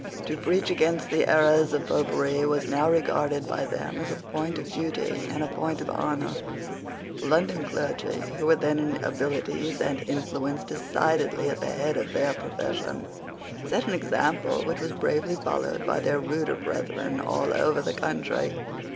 To preach against the errors of Popery was now regarded by them as a point of duty and a point of honour. The London clergy, who were then in abilities and influence decidedly at the head of their profession, set an example which was bravely followed by their ruder brethren all over the country.